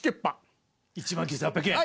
１万９８００円。